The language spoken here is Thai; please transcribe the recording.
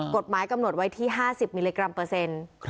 กฎหมายกำหนดไว้ที่๕๐มิลลิกรัมเปอร์เซ็นต์